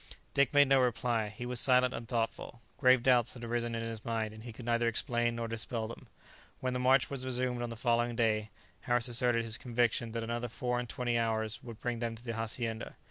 Dick made no reply. He was silent and thoughtful. Grave doubts had arisen in his mind, and he could neither explain nor dispel them. When the march was resumed on the following day, Harris asserted his conviction that another four and twenty hours would bring them to the hacienda.